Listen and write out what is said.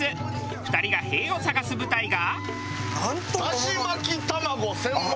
２人が「へぇ」を探す舞台が。